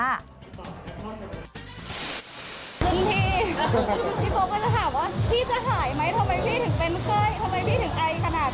จนทีพี่ป๊อปก็จะถามว่าพี่จะหายไหมทำไมพี่ถึงเป็นเครื่องทำไมพี่ถึงไอขนาดนี้อะไรอย่างเนี้ย